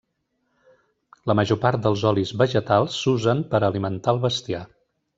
La major part dels olis vegetals s'usen per a alimentar el bestiar.